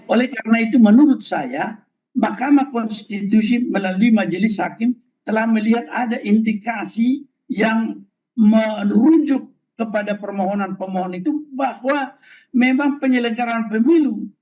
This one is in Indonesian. oleh karena itu menurut saya mahkamah konstitusi melalui majelis hakim telah melihat ada indikasi yang merujuk kepada permohonan pemohon itu bahwa memang penyelenggaraan pemilu